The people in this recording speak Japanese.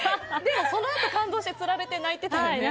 そのあと、感動してつられて泣いてたよね。